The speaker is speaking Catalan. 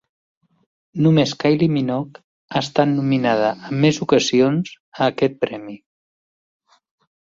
Només Kylie Minogue ha estat nominada en més ocasions a aquest premi.